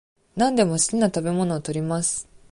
何でも好きな食べ物を取ります。